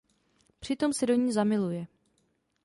Při tom se do ní zamiluje.